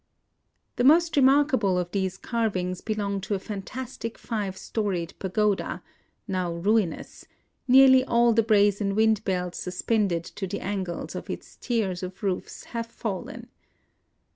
The most remarkable of these carvings belong to a fan tastic five storied pagoda, now ruinous : nearly all the brazen wind bells suspended to the angles of its tiers of roofs have fallen.